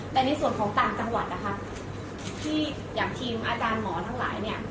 แต่ในส่วนของต่างจังหวัดนะคะที่อย่างทีมอาจารย์หมอทั้งหลายเนี่ย